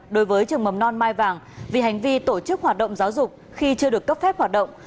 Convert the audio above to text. đối với trường mầm non mai vàng vì hành vi tổ chức hoạt động giáo dục khi chưa được cấp phép hoạt động